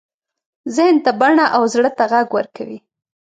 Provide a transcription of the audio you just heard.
ذهن ته بڼه او زړه ته غږ ورکوي.